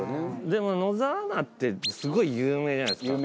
でも野沢菜ってすごい有名じゃないですか。